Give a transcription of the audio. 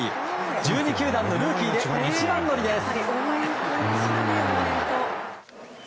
１２球団のルーキーで一番乗りです。